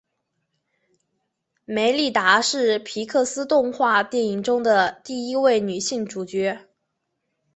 梅莉达是皮克斯动画电影中的第一位女性主角。